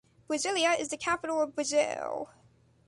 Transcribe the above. Brasília is the capital of Brazil.